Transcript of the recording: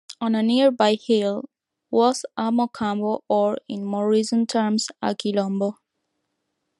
On a nearby hill was a mocambo or, in more recent terms, a quilombo.